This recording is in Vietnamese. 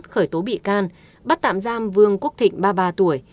khởi tố bị can bắt tạm giam vương quốc thịnh ba mươi ba tuổi